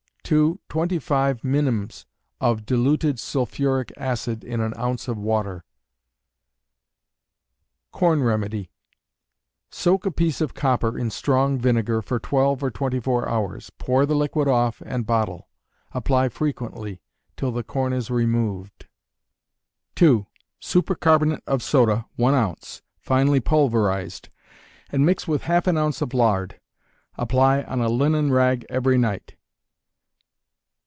2. Twenty five minims of diluted sulphuric acid in an ounce of water. Corn Remedy. Soak a piece of copper in strong vinegar for twelve or twenty four hours. Pour the liquid off, and bottle. Apply frequently, till the corn is removed. 2. Supercarbonate of soda, one ounce, finely pulverized, and mix with half an ounce of lard. Apply on a linen rag every night.